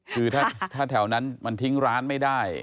คือถ้าแถวนั้นมันทิ้งร้านไม่ได้